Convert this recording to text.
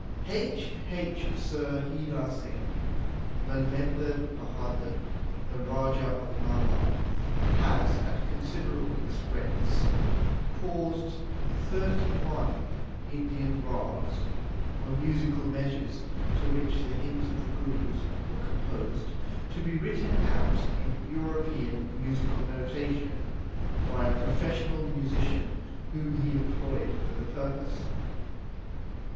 H.H. Sir Hira Singh, Malvendar Bahadur, the Raja of Nabha, has at considerable expense caused the thirty one Indian rags, or musical measures, to which the hymns of the Gurus were composed, to be written out in European musical notation by a professional musician whom he employed for the purpose.